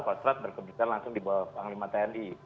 pangkostrat berkembang langsung di bawah panglima tni